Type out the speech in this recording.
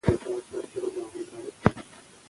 سالمه غذا د ټولنې رفاه تضمینوي.